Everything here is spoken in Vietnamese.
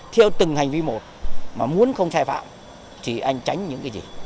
theo từng hành vi một mà muốn không sai phạm thì anh tránh những cái gì